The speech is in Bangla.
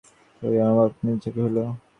ভাগবতের পুনর্বার রাজবাড়িতে চাকরি হইল।